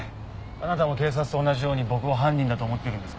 あなたも警察と同じように僕を犯人だと思ってるんですか？